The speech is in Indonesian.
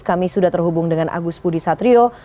kami sudah terhubung dengan agus budi satrio